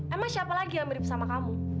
emang siapa lagi yang mirip sama kamu